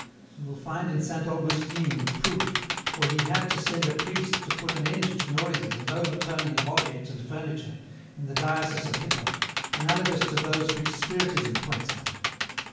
You will find in Saint Augustine the proof, for he had to send a priest to put an end to noises and overturning of objects and furniture, in the diocese of Hippo, analogous to those which Spiritism points out.